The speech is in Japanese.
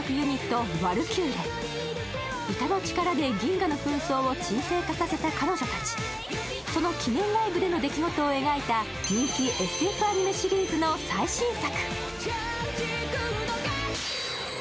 歌の力で銀河を紛争を鎮静化させた彼女たちその記念ライブでの出来事を描いた人気ＳＦアニメシリーズの最新作。